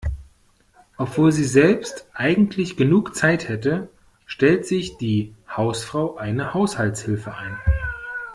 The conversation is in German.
Obwohl sie selbst eigentlich genug Zeit hätte, stellt sich die Hausfrau eine Haushaltshilfe ein.